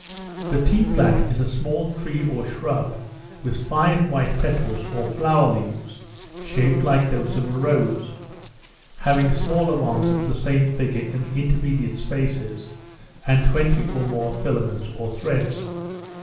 The tea plant is a small tree or shrub, with five white petals, or flower leaves, shaped like those of a rose, having smaller ones of the same figure in the intermediate spaces, and twenty or more filaments or threads.